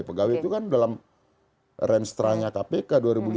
pegawai itu kan dalam range terakhir kpk dua ribu lima belas dua ribu sembilan belas